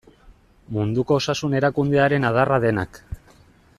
Munduko Osasun Erakundearen adarra denak.